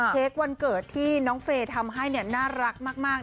เค้กวันเกิดที่น้องเฟย์ทำให้น่ารักมาก